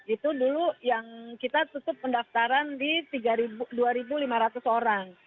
itu dulu yang kita tutup pendaftaran di dua lima ratus orang